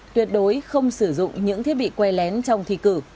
tuyệt đối không sử dụng những thiết bị quay lén trong thi cử